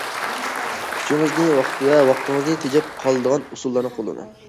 كۈچىڭىزنى ۋە ۋاقتىڭىزنى تېجەپ قالىدىغان ئۇسۇللارنى قوللىنىڭ.